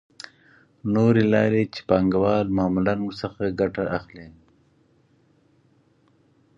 نورې لارې چې پانګوال معمولاً ورڅخه ګټه اخلي